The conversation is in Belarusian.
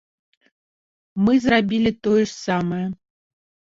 Мы зрабілі тое ж самае.